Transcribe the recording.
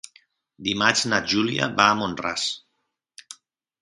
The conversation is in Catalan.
Dimarts na Júlia va a Mont-ras.